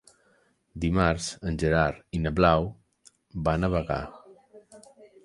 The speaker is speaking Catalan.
Dimarts en Gerard i na Blau van a Bagà.